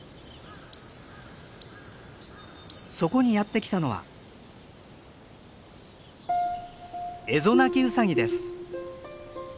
そこにやって来たのはエゾナキウサギです。